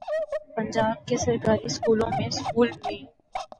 پنجاب کے سرکاری سکولوں میں سکول میل